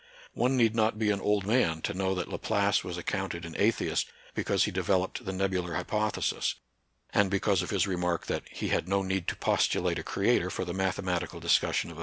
One need not be an old man to know that Laplace was accounted an atheist because he developed the nebular hypothesis, and because of his remark that he had no need to postulate a Creator for the mathematical discussion of a NATURAL SCIENCE AND RELIGION.